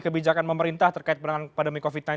yang akan memerintah terkait pandemi covid sembilan belas